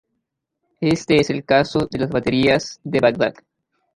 Este es el caso de las "baterías de Bagdad".